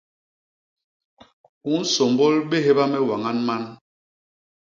U nsômbôl bébha me wañan man.